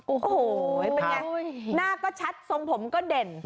โอ้โหเป็นไงหน้าก็ชัดทรงผมก็เด่น